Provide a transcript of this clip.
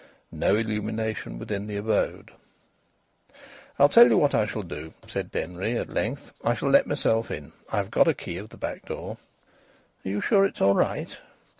No illumination within the abode! "I'll tell you what I shall do," said Denry at length. "I shall let myself in. I've got a key of the back door." "Are you sure it's all right?"